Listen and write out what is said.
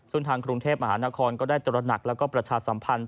ส่วนทางกรุงเทพมหานครก็ได้ตรนักและประชาสัมพันธ์